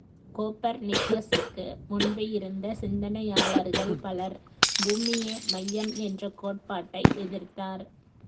Copper நிக்கசுக்கு முன்பு இருந்த சிந்தனையாளர்கள் பலர், பூமியே மையம் என்ற கோட்பாட்டை எதிர்த்தார்.